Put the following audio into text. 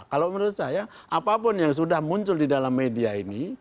kalau menurut saya apapun yang sudah muncul di dalam media ini